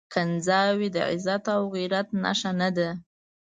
کنځاوي د عزت او غيرت نښه نه ده.